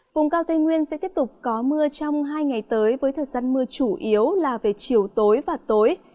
vùng cao tây nguyên sẽ tiếp tục có mưa trong hai ngày tới với thời gian mưa chủ yếu là về chiều tối và tối